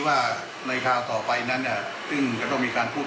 ไม่จำเป็นต้องมาวันนี้นะครับ